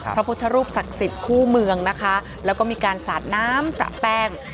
พระพุทธรูปศักดิ์สิทธิ์คู่เมืองนะคะแล้วก็มีการสาดน้ำตระแป้ง